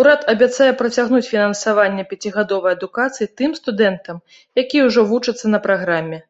Урад абяцае працягнуць фінансаванне пяцігадовай адукацыі тым студэнтам, якія ўжо вучацца на праграме.